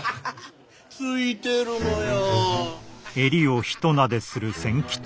ついてるのよ。